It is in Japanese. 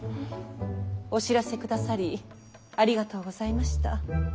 お知らせくださりありがとうございました。